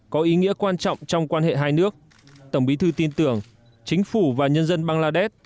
có ý nghĩa quan trọng trong quan hệ hai nước tổng bí thư tin tưởng chính phủ và nhân dân bangladesh